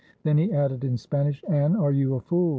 Then he added in Spanish, "Anne, are you a fool?